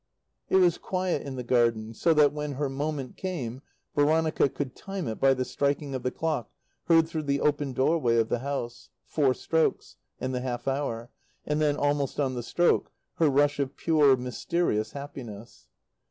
It was quiet in the garden, so that, when her moment came, Veronica could time it by the striking of the clock heard through the open doorway of the house: four strokes; and the half hour; and then, almost on the stroke, her rush of pure, mysterious happiness.